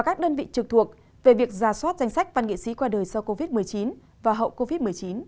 các đơn vị trực thuộc về việc giả soát danh sách văn nghệ sĩ qua đời sau covid một mươi chín và hậu covid một mươi chín